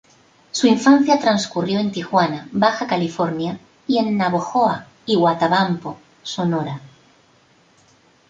Su infancia transcurrió en Tijuana, Baja California, y en Navojoa y Huatabampo, Sonora.